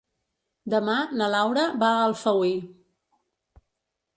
Demà na Laura va a Alfauir.